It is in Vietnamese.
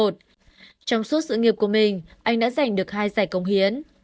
trong suốt sự nghiệp của mình anh đã giành được hai giải công hiến